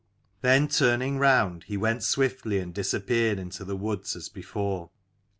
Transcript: Then turning round, he went swiftly and disappeared into the woods as before.